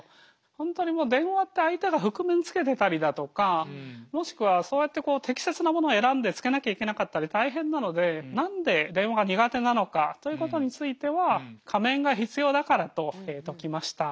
本当にもう電話って相手が覆面つけてたりだとかもしくはそうやってこう適切なものを選んでつけなきゃいけなかったり大変なので何で電話が苦手なのかということについては「仮面が必要だから」と解きました。